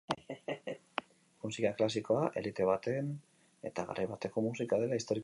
Musika klasikoa, elite baten eta garai bateko musika dela historikoki argi da.